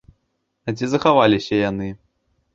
А ці захаваліся яны?